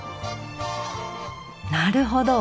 なるほど。